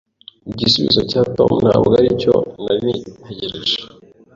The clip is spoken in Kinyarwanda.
Igisubizo cya Tom ntabwo aricyo nari ntegereje.